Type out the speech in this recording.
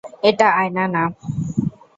এটা আয়না না।